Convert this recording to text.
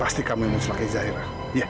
pasti kamu yang mencelakai zaira